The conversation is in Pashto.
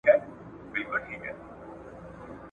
پرون چي مي خوبونه وه لیدلي ریشتیا کیږي !.